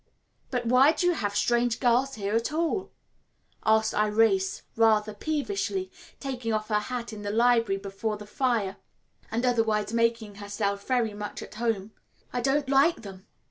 "But why do you have strange girls here at all?" asked Irais rather peevishly, taking off her hat in the library before the fire, and otherwise making herself very much at home; "I don't like them.